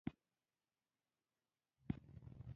د دې ټولو سره یو ډول خپګان و.